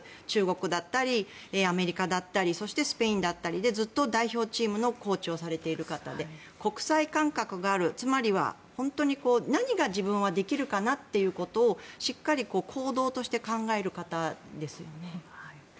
中国だったりアメリカだったりそしてスペインだったりでずっと代表チームのコーチをされている方で国際感覚があるつまりは本当に何が自分はできるかなってことをしっかり行動として考える方ですよね。